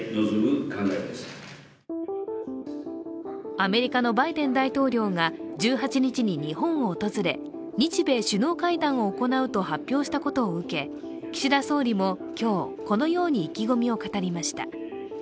アメリカのバイデン大統領が１８日に日本を訪れ日米首脳会談を行うと発表したことを受け岸田総理も今日、このように意気込みを語りました。